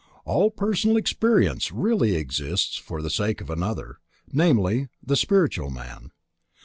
All personal experience really exists for the sake of another: namely, the spiritual man.